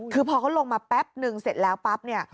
คือพอเขาลงมาแป๊บนึงเสร็จแล้วปั๊บเนี่ย